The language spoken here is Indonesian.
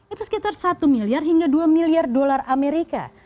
itu sekitar satu miliar hingga dua miliar dolar amerika